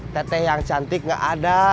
teteh yang cantik nggak ada